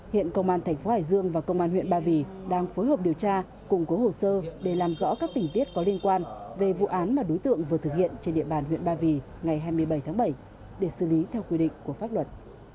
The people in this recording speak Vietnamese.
hiện công an thành phố hải dương và công an huyện ba vì đang phối hợp điều tra củng cố hồ sơ để làm rõ các tình tiết có liên quan về vụ án mà đối tượng vừa thực hiện trên địa bàn huyện ba vì ngày hai mươi bảy tháng bảy để xử lý theo quy định của pháp luật